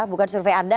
bukan survei anda